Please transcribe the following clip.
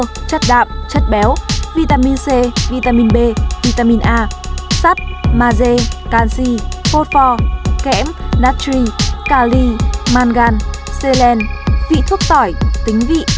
chất sơ chất đạm chất béo vitamin c vitamin b vitamin a sắt maze canxi phô pho kẽm natri cali mangan selen vị thuốc tỏi tính vị